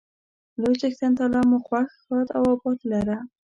لوی څښتن تعالی مو خوښ، ښاد او اباد لره.